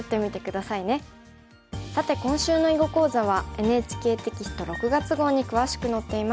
さて今週の囲碁講座はＮＨＫテキスト６月号に詳しく載っています。